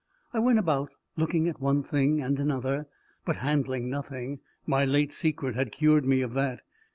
I went about, looking at one thing and another, but handling nothing: my late secret had cured me of that.